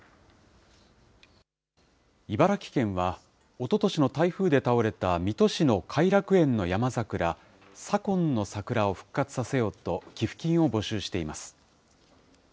茨城県は、おととしの台風で倒れた水戸市の偕楽園のヤマザクラ、左近の桜を復活させようと、寄付金を募集しています。